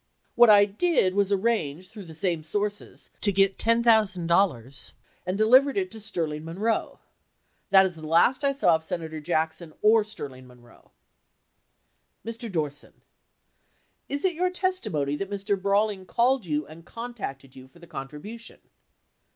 What I did was arrange, through the same sources, to get $10,000 and delivered it to Sterling Munro. That is the last I saw of Senator Jackson or Sterling Munro. Mr. Dorset. Is it your testimony that Mr. Brawley called you and contacted you for the contribution